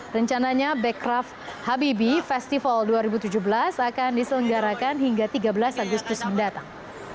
rencananya becraft habibi festival dua ribu tujuh belas akan diselenggarakan hingga tiga belas agustus mendatang